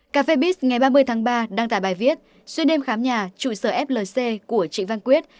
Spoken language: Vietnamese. cà phê ngày ba mươi tháng ba đăng tải bài viết xuyên đêm khám nhà trụ sở flc của trịnh văn quyết